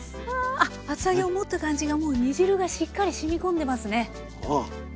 あっ厚揚げを持った感じがもう煮汁がしっかりしみ込んでますね。